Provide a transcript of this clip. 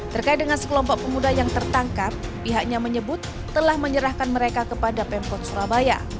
terkait dengan sekelompok pemuda yang tertangkap pihaknya menyebut telah menyerahkan mereka kepada pemkot surabaya